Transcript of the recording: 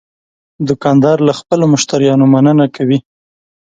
دوکاندار له خپلو مشتریانو مننه کوي.